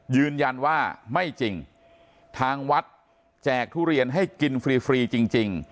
ยืนยันว่าไม่จริงทางวัดแจกทุเรียนให้กินฟรีจริง